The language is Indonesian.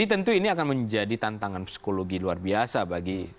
tentu ini akan menjadi tantangan psikologi luar biasa bagi